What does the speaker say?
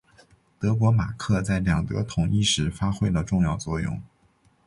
德国马克在两德统一时发挥了重要作用。